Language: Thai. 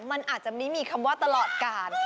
มันอาจจะไม่มีคำว่าตลอดการ